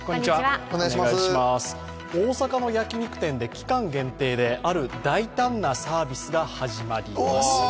大阪の焼き肉店で、期間限定である大胆なサービスが始まります。